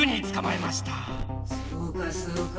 そうかそうか。